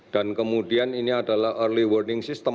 dan kemudian ini adalah early warning system